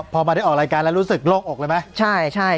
พอมาได้ออกรายการแล้วรู้สึกโรคอกเลยมั้ย